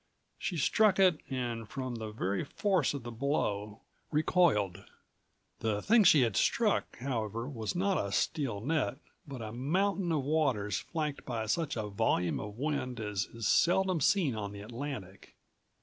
She struck it and from the very force of the blow, recoiled. The thing she had struck, however, was not a steel net but a mountain of waters flanked by such a volume of wind as is seldom seen on the Atlantic.